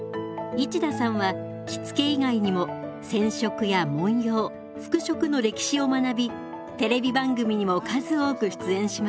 市田さんは着付け以外にも染織や文様服飾の歴史を学びテレビ番組にも数多く出演します。